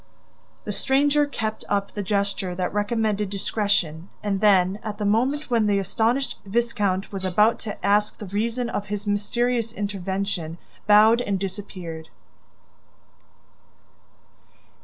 The stranger kept up the gesture that recommended discretion and then, at the moment when the astonished viscount was about to ask the reason of his mysterious intervention, bowed and disappeared.